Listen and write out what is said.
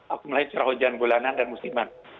apalagi curah hujan bulanan dan musiman